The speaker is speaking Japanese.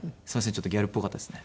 ちょっとギャルっぽかったですね。